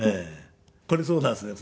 これそうなんですね。